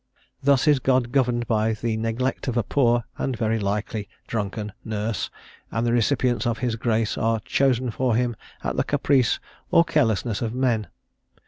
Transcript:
Thus is God governed by the neglect of a poor, and very likely drunken, nurse, and the recipients of his grace are chosen for him at the caprice or carelessness of men.